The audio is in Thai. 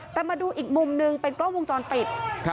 แต่มาดูอีกมุมหนึ่งเป็นกล้องวงจรปิด